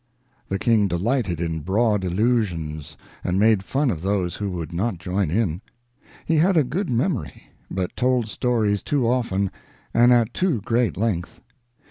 The King delighted in broad allusions, and made fun of those who would not join in. He had a good memory, but told stories too often, and at too great length.